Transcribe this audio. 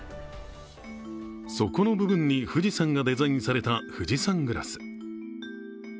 底の部分に富士山がデザインされた富士山グラス。